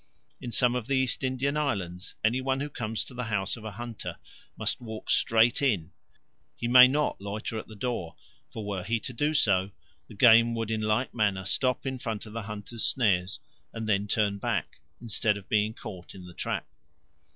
In some of the East Indian islands any one who comes to the house of a hunter must walk straight in; he may not loiter at the door, for were he to do so, the game would in like manner stop in front of the hunter's snares and then turn back, instead of being caught in the trap.